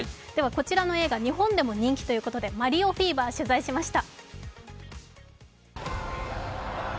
こちらの映画、日本でも人気ということで、マリオフィーバー、取材しました。